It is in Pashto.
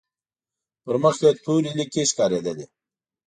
پر مخ يې تورې ليکې ښکارېدلې.